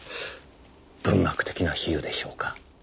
文学的な比喩でしょうか。